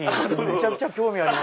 めちゃくちゃ興味ある。